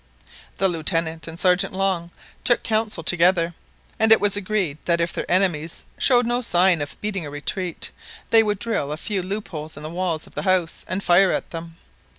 The Lieutenant and the Sergeant took counsel together, and it was agreed that if their enemies showed no sign of beating a retreat, they would drill a few loopholes in the walls of the house, and fire at them.